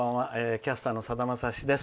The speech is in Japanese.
キャスターのさだまさしです。